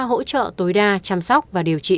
hỗ trợ tối đa chăm sóc và điều trị